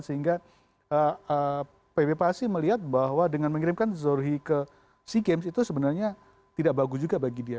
sehingga pb pasi melihat bahwa dengan mengirimkan zorhi ke sea games itu sebenarnya tidak bagus juga bagi dia